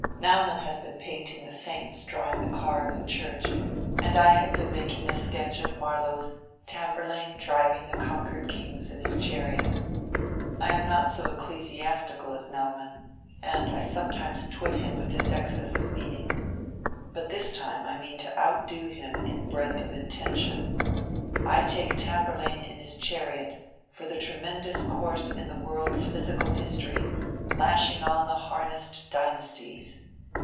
Naumann has been painting the Saints drawing the Car of the Church, and I have been making a sketch of Marlowe's Tamburlaine Driving the Conquered Kings in his Chariot. I am not so ecclesiastical as Naumann, and I sometimes twit him with his excess of meaning. But this time I mean to outdo him in breadth of intention. I take Tamburlaine in his chariot for the tremendous course of the world's physical history lashing on the harnessed dynasties.